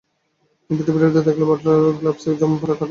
কিন্তু টিভি রিপ্লেতে দেখাল বাটলারের গ্লাভসে জমা পড়ার আগে ঘাস ছুঁয়েছে বল।